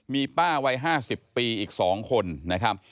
มีป้าวัย๕๐ปีอีก๒คนนะครับ